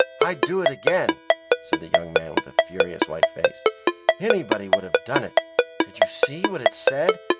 "I'd do it again," said the young man, with a furious white face. "Anybody would have done it. Did you see what it said?